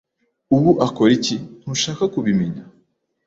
"Ubu akora iki?" "Ntushaka kubimenya."